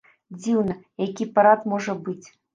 Дзіўна, які парад можа быць?